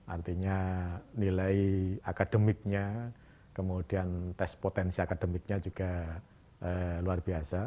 artinya nilai akademiknya kemudian tes potensi akademiknya juga luar biasa